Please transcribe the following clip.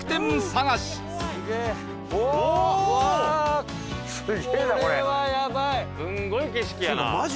すごい景色やな。